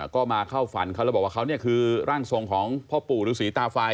ก็มาเข้าฝันเขาแล้วบอกว่าเขาเนี่ยคือร่างทรงของพ่อปู่ฤษีตาไฟ